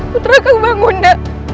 puter aku bangunda